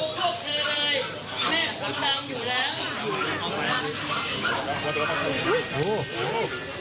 กระทั่งเบียงอีกกว่าเลยครับ